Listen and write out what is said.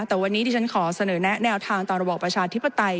แต่วันนี้ที่ฉันขอเสนอแนะแนวทางต่อระบอบประชาธิปไตย